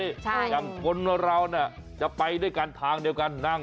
อ้าวจัดไปสิจะไปก็ไปด้วยกันนะ